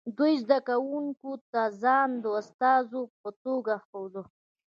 دوی زده کوونکو ته ځان د استازو په توګه ښوده